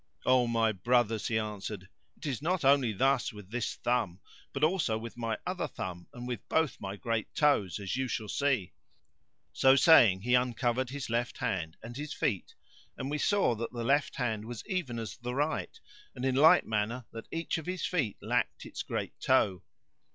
"O my brothers," he answered, "it is not only thus with this thumb, but also with my other thumb and with both my great toes, as you shall see." So saying he uncovered his left hand and his feet, and we saw that the left hand was even as the right and in like manner that each of his feet lacked its great toe.